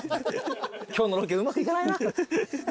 今日のロケうまくいかないな。